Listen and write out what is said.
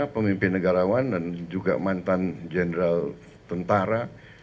pemimpin negarawan dan juga mantan jenderal tentara